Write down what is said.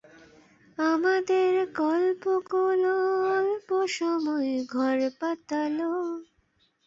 প্রযুক্তি ফিরিয়ে নাও!